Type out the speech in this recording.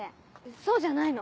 そうじゃないの。